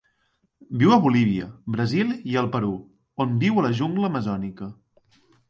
Viu a Bolívia, Brasil i el Perú, on viu a la jungla amazònica.